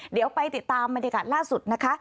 เดี๋ยวไปติดตามบรรยากาศล่าสุดนะคะ